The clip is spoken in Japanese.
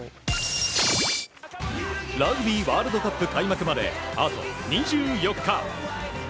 ラグビーワールドカップ開幕まであと２４日。